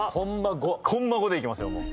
コンマ５でいきますよ。